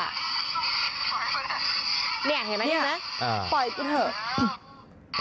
เห็นมะพล่อยกูเถอะ